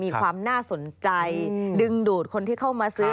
มีความน่าสนใจดึงดูดคนที่เข้ามาซื้อ